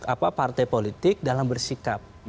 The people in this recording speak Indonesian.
apa partai politik dalam bersikap